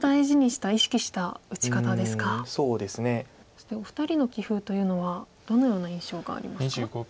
そしてお二人の棋風というのはどのような印象がありますか？